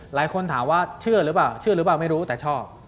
หลายคนถามว่าเชื่อหรือเปล่าไม่รู้แต่ชอบ